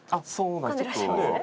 噛んでらっしゃいますね？